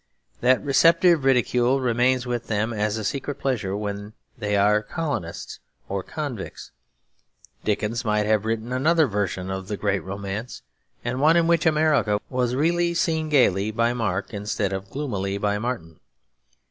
That receptive ridicule remains with them as a secret pleasure when they are colonists or convicts. Dickens might have written another version of the great romance, and one in which America was really seen gaily by Mark instead of gloomily by Martin.